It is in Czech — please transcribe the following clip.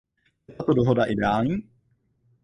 Je tato dohoda ideální?